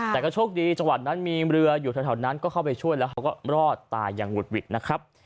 แต่ก็โชคดีจังหวัดนั้นมีเรืออยู่แถวนั้นก็เข้าไปช่วยแล้วเขาก็รอดตายอย่างหุดหวิดนะครับ